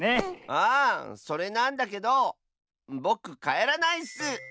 あそれなんだけどぼくかえらないッス！